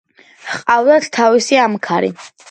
ჰყავდათ თავისი ამქარი.